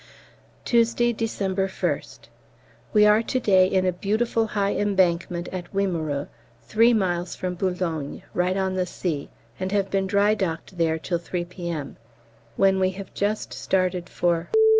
Tuesday, December 1st. We are to day in a beautiful high embankment at Wimereux, three miles from Boulogne, right on the sea, and have been dry docked there till 3 P.M. (when we have just started for?)